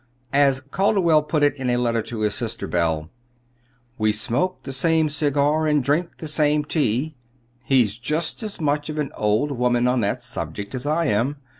As Calderwell put it in a letter to his sister, Belle: "We smoke the same cigar and drink the same tea (he's just as much of an old woman on that subject as I am!)